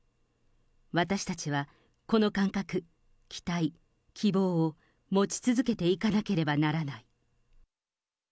私たちは、この感覚、期待、希望を持ち続けていかなければならない。